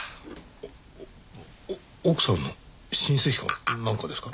おっおっ奥様の親戚かなんかですか？